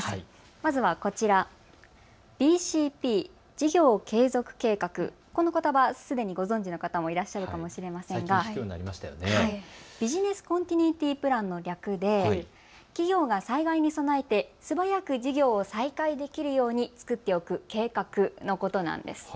まずはこちら、ＢＣＰ・事業継続計画、このことばすでにご存じの方もいらっしゃるかもしれませんがＢｕｓｉｎｅｓｓＣｏｎｔｉｎｕｉｔｙＰｌａｎの略で企業が災害に備えて素早く事業を再開できるように作っておく計画のことなんです。